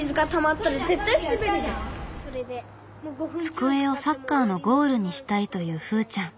机をサッカーのゴールにしたいというふーちゃん。